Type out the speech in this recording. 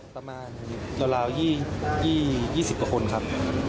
ประมาณราว๒๐กว่าคนครับ